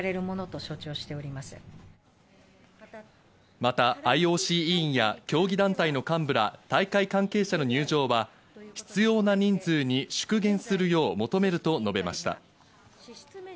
またＩＯＣ委員や競技団体の幹部ら大会関係者の入場は、必要な人数に縮減するよう求めると述べました。